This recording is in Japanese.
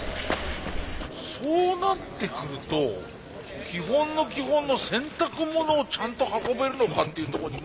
そうなってくると基本の基本の洗濯物をちゃんと運べるのかっていうとこにも。